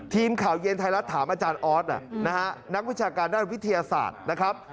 ทีมข่าวเย็นไทยรัฐถามอาจารย์ออสนะฮะนักวิชาการด้านวิทยาศาสตร์นะครับ